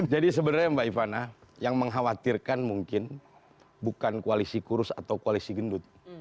jadi sebenarnya mbak ivana yang mengkhawatirkan mungkin bukan koalisi kurus atau koalisi gendut